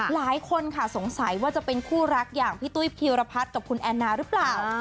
หลายคนค่ะสงสัยว่าจะเป็นคู่รักอย่างพี่ตุ้ยพีรพัฒน์กับคุณแอนนาหรือเปล่า